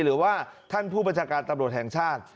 หรือว่าท่านผู้บัญชาการตำรวจแห่งชาติ